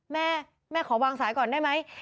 แม่แม่ขอวางสายก่อนได้ไหม